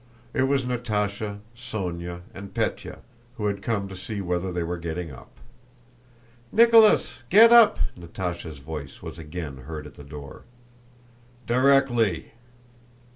It was Natásha, Sónya, and Pétya, who had come to see whether they were getting up. "Nicholas! Get up!" Natásha's voice was again heard at the door. "Directly!"